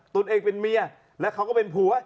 ตัวเองเป็นเมียและเขาก็เป็นผัว